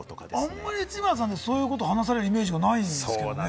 あんまり内村さん、そういうことを話されるイメージないです。